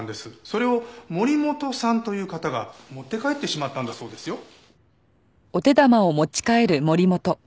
それを森本さんという方が持って帰ってしまったんだそうですよ。